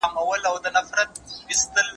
سپین ږیري موټر ته وکتل.